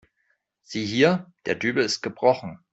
Sieh hier, der Dübel ist gebrochen.